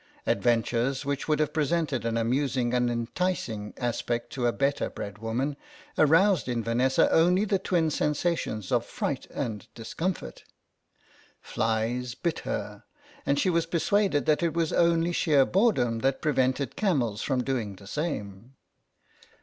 Adventures which would have presented an amusing and enticing aspect to a better bred woman aroused in Vanessa only the twin sensations of fright and discomfort. Flies bit her, and she was persuaded that it was only sheer boredom that prevented camels from doing the same.